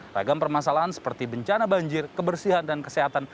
ragam permasalahan seperti bencana banjir kebersihan dan kesehatan